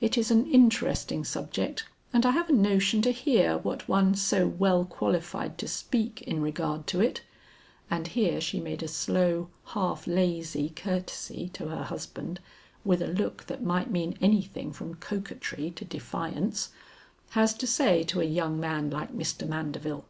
It is an interesting subject and I have a notion to hear what one so well qualified to speak in regard to it " and here she made a slow, half lazy courtesy to her husband with a look that might mean anything from coquetry to defiance "has to say to a young man like Mr. Mandeville."